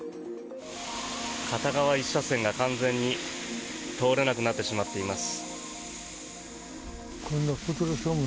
片側１車線が完全に通れなくなってしまっています。